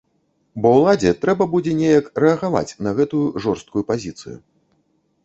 Бо ўладзе трэба будзе неяк рэагаваць на гэтую жорсткую пазіцыю.